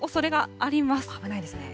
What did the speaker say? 危ないですね。